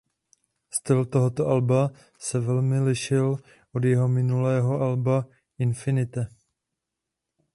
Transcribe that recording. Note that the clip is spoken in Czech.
Styl tohoto alba se velmi lišil od jeho minulého alba "Infinite".